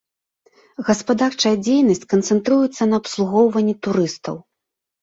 Гаспадарчая дзейнасць канцэнтруецца на абслугоўванні турыстаў.